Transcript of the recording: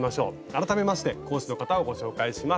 改めまして講師の方をご紹介します。